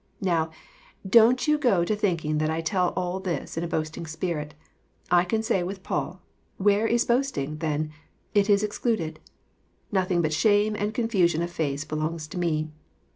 Now, don't you go to thinking that I tell all this in a boasting spirit. I can say with Paul " Where is boasting, then? It is excluded." Nothing but shame and confusion of face belongs to me.